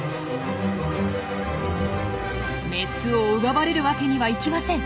メスを奪われるわけにはいきません！